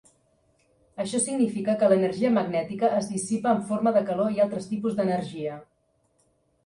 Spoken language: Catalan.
Això significa que l'energia magnètica es dissipa en forma de calor i altres tipus d'energia.